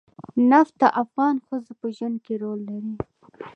نفت د افغان ښځو په ژوند کې رول لري.